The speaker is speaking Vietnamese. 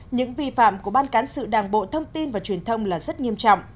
những vi phạm của ban cán sự đảng bộ thông tin và truyền thông là rất nghiêm trọng